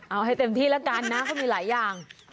เอาให้เต็มที่แล้วกันนะเขามีหลายอย่าง